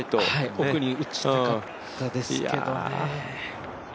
奥に打ちたかったですけどね。